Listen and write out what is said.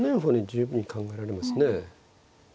十分に考えられますね。